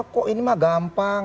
kok ini mah gampang